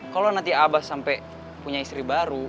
kalau nanti abah sampai punya istri baru